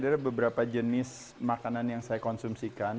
ini adalah beberapa jenis makanan yang saya konsumsikan